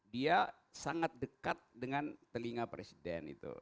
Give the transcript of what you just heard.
dia sangat dekat dengan telinga presiden itu